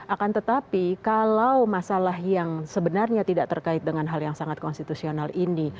akan tetapi kalau masalah yang sebenarnya tidak terkait dengan hal yang sangat konstitusional ini